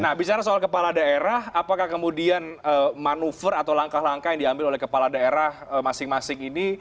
nah bicara soal kepala daerah apakah kemudian manuver atau langkah langkah yang diambil oleh kepala daerah masing masing ini